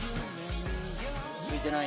着いてない？